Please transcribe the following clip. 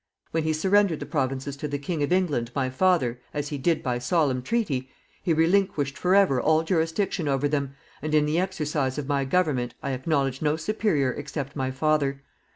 When he surrendered the provinces to the King of England, my father, as he did by solemn treaty, he relinquished forever all jurisdiction over them, and in the exercise of my government I acknowledge no superior except my father.